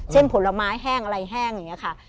ผลไม้แห้งอะไรแห้งอย่างนี้ค่ะ